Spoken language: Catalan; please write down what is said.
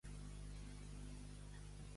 Pescar a l'art.